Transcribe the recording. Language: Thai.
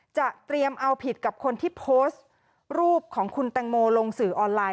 เตรียมเอาผิดกับคนที่โพสต์รูปของคุณแตงโมลงสื่อออนไลน